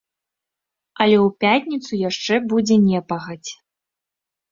Але ў пятніцу яшчэ будзе непагадзь.